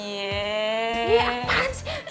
iya apaan sih